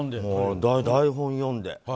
台本読んで。